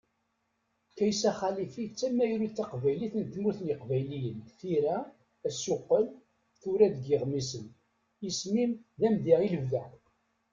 Kaysa Xalifi d tamyarut taqbaylit, n tmurt n yiqbayliyen, tira, asuqqel, tura deg yeɣmisen. Isem-im d amedya i lebda.